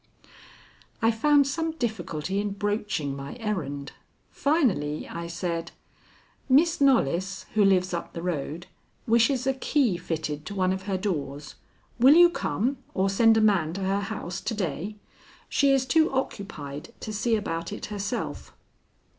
I found some difficulty in broaching my errand. Finally I said: "Miss Knollys, who lives up the road, wishes a key fitted to one of her doors. Will you come or send a man to her house to day? She is too occupied to see about it herself."